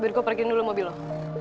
daripada lo nyetir terus nabrak